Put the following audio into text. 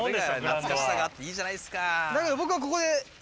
懐かしさがあっていいじゃないですか。